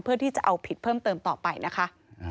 เพื่อที่จะเอาผิดเพิ่มเติมต่อไปนะคะ